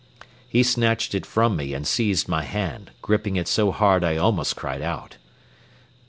He snatched it from me and seized my hand, gripping it so hard I almost cried out.